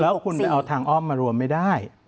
แล้วคุณไปเอาทางอ้อมมารวมไม่ได้